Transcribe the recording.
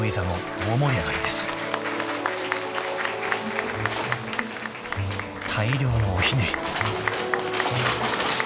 ［大量のおひねり］